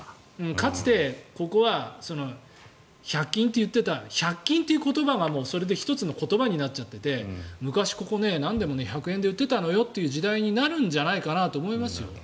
かつてここは１００均と言っていた１００均という言葉がそれで１つの言葉になっちゃっていて昔、ここ何年も１００円で売っていたのよという時代になるんじゃないかなと思いますよ。